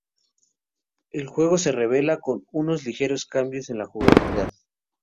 El juego se revela con unos ligeros cambios en la jugabilidad.